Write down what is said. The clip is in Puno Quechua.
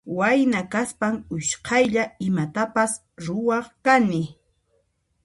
Wayna kaspan usqaylla imatapas ruwaq kani.